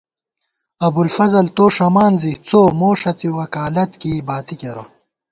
ابُوالفضل تو ݭَمان زِی څو، موݭَڅی تو وکالت کېئی باتی کېرہ